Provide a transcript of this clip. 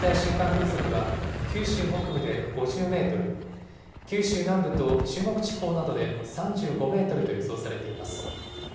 風速は九州北部で５０メートル、九州南部と中国地方などで３５メートルと予想されています。